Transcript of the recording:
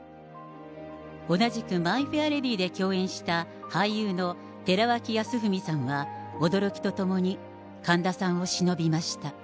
同じくマイ・フェア・レディで共演した俳優の寺脇康文さんは驚きともに、神田さんをしのびました。